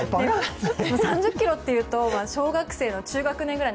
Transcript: ３０ｋｇというと小学生の中学年ぐらい。